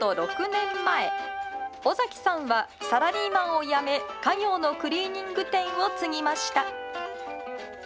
６年前、尾崎さんは、サラリーマンを辞め、家業のクリーニング店を継ぎました。